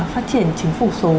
phát triển chính phủ số